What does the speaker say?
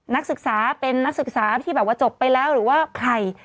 นักศึกษาเป็นนักศึกษาที่แบบว่าจบไปแล้วหรือว่าใคร